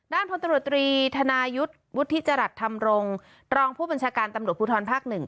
พลตำรวจตรีธนายุทธ์วุฒิจรัสธรรมรงค์รองผู้บัญชาการตำรวจภูทรภาคหนึ่ง